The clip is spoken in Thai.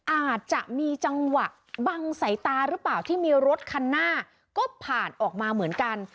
อาจจะมีจังหวะบังสายตาหรือเปล่าที่มีรถคันหน้าก็ผ่านออกมาเหมือนกัน